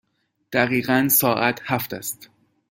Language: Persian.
دقیقاً ساعت هفت است.